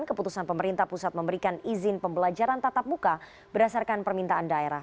keputusan pemerintah pusat memberikan izin pembelajaran tatap muka berdasarkan permintaan daerah